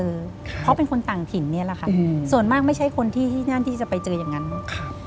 เพราะเป็นคนต่างถิ่นเนี่ยแหละค่ะส่วนมากไม่ใช่คนที่นั่นที่จะไปเจออย่างนั้นมั้ง